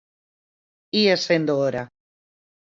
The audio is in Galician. Ía sendo hora.